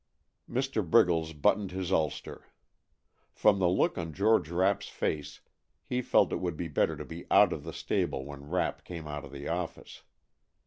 Mr. Briggles buttoned his ulster. From the look on George Rapp's face he felt it would be better to be out of the stable when Rapp came out of the office.